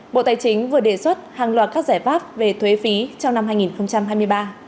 bộ tài chính vừa đề xuất hàng loạt các giải pháp về thuế phí trong năm hai nghìn hai mươi ba